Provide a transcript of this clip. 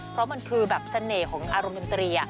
เพราะมันคือแบบเสน่ห์ของอารมณ์ดนตรี